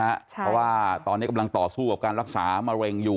เพราะว่าตอนนี้กำลังต่อสู้กับการรักษามะเร็งอยู่